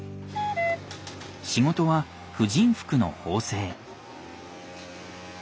仕事は婦人服の縫製。